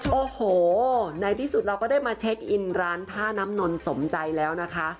โอ้โหในที่สุดเราก็ได้มาเช็คอินร้านท่าน้ำนนสมใจแล้วนะคะ